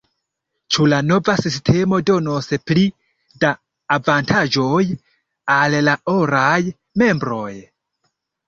Ĉu la nova sistemo donos pli da avantaĝoj al la oraj membroj?